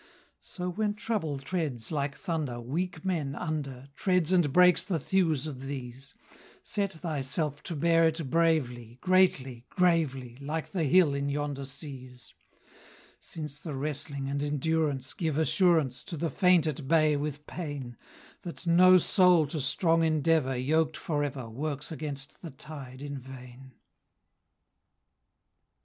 So when trouble treads, like thunder, Weak men under Treads and breaks the thews of these Set thyself to bear it bravely, Greatly, gravely, Like the hill in yonder seas; Since the wrestling and endurance Give assurance To the faint at bay with pain, That no soul to strong endeavour Yoked for ever, Works against the tide in vain.